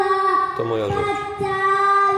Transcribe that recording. "To moja rzecz."